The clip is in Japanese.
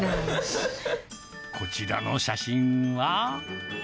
こちらの写真は？